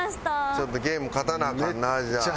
ちょっとゲーム勝たなアカンなじゃあ。